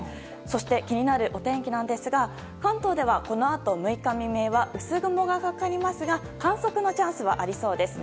そして、気になるお天気ですが関東ではこのあと６日未明は薄曇がかかりますが観測のチャンスはありそうです。